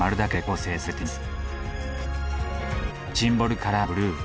そしてシンボルカラーのブルー。